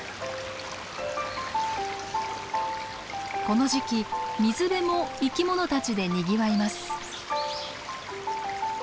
この時期水辺も生き物たちでにぎわいます。